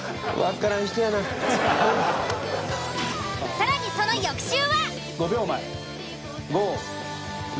更にその翌週は。